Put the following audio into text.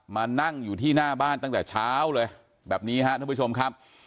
มานั่งอยู่ที่หน้าบ้านตั้งแต่เช้าเลยแบบนี้ฮะท่านผู้ชมครับ